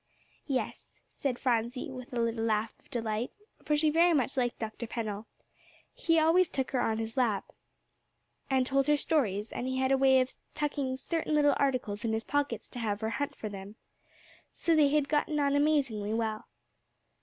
"Yes," said Phronsie, with a little laugh of delight, for she very much liked Dr. Pennell. He always took her on his lap, and told her stories; and he had a way of tucking certain little articles in his pockets to have her hunt for them. So they had gotten on amazingly well.